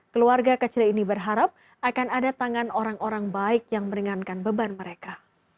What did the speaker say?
keluarga kecil ini berharap akan ada tangan orang orang baik yang meringankan beban mereka